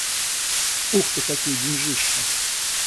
Ух ты, какие деньжищи!